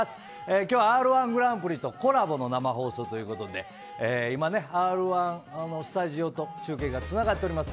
きょうはＲ−１グランプリとコラボの生放送ということで今、Ｒ−１のスタジオと中継がつながってます